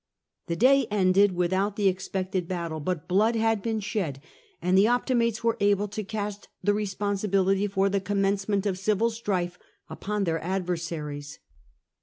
The day ended without the expected battle, but blood had been shed, and the Optimates were able to cast the responsibility for the commencement of civil strife upon their adversaries.